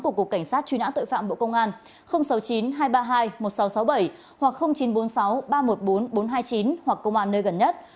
của cục cảnh sát truy nã tội phạm bộ công an sáu mươi chín hai trăm ba mươi hai một nghìn sáu trăm sáu mươi bảy hoặc chín trăm bốn mươi sáu ba trăm một mươi bốn bốn trăm hai mươi chín hoặc công an nơi gần nhất